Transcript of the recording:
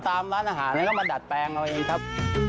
ตามร้านอาหารแล้วก็มาดัดแปลงเอาเองครับ